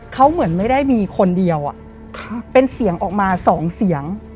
เขาเหมือนไม่ได้มีคนเดียวเป็นเสียงออกมาสองเสียง